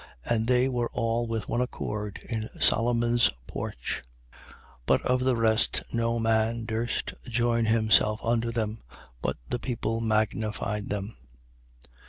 And they were all with one accord in Solomon's porch. 5:13. But of the rest no man durst join himself unto them: but the people magnified them.